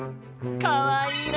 かわいいな。